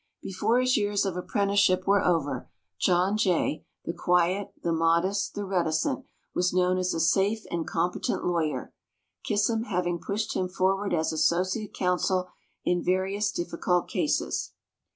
Before his years of apprenticeship were over, John Jay, the quiet, the modest, the reticent, was known as a safe and competent lawyer Kissam having pushed him forward as associate counsel in various difficult cases.